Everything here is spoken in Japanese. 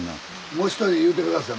もう１人言うて下さい。